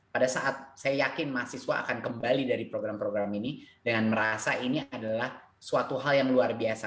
pada saat saya yakin mahasiswa akan kembali dari program program ini dengan merasa ini adalah suatu hal yang luar biasa